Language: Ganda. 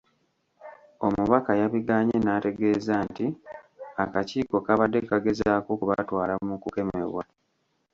Omubaka yabigaanye nategeeza nti akakiiko kabadde kagezaako kubatwala mukukemebwa.